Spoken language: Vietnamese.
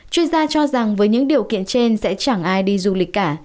chuyên gia cho rằng với những điều kiện trên sẽ chẳng ai đi du lịch cả